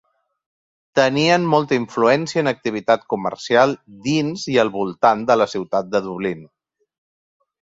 Tenien molta influència en activitat comercial dins i al voltant de la ciutat de Dublín.